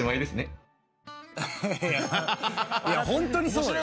「いやホントにそうよ」ええ！？